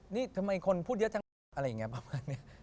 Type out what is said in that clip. นี่ทำไมคนพูดเยอะจังอะไรอย่างนี้